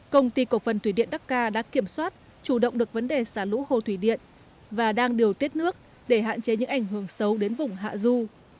công ty cổ phần thủy điện đắc ca đã kiểm soát chủ động được vấn đề xả lũ hồ thủy điện và đang điều tiết nước để hạn chế những ảnh hưởng xấu đến vùng hạ du